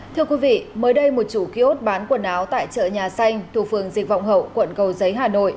thưa quý vị mới đây một chủ kiosk bán quần áo tại chợ nhà xanh thuộc phường dịch vọng hậu quận cầu giấy hà nội